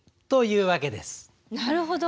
なるほど。